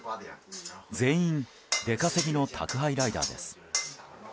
全員出稼ぎの宅配ライダーです。